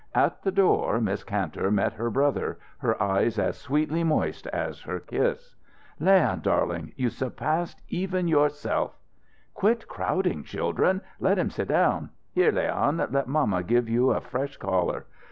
At the door, Miss Kantor met her brother, her eyes as sweetly moist as her kiss. "Leon, darling, you surpassed even yourself!" "Quit crowding, children! Let him sit down. Here, Leon, let mamma give you a fresh collar.